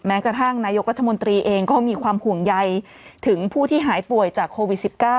กระทั่งนายกรัฐมนตรีเองก็มีความห่วงใยถึงผู้ที่หายป่วยจากโควิด๑๙